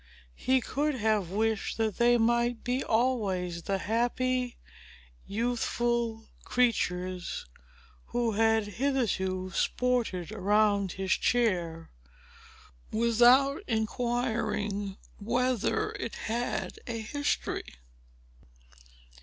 He could have wished that they might be always the happy, youthful creatures, who had hitherto sported around his chair, without inquiring whether it had a history.